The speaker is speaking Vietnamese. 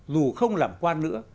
dù không làm quan nữa